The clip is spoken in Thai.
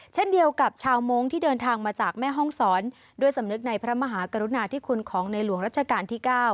เช่นเดียวกับชาวมงค์ที่เดินทางมาจากแม่ห้องศรด้วยสำนึกในพระมหากรุณาธิคุณของในหลวงรัชกาลที่๙